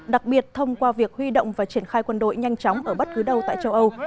đặc biệt thông qua việc huy động và triển khai quân đội nhanh chóng ở bất cứ đâu tại châu âu